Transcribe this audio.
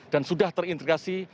dan sudah terintegrasi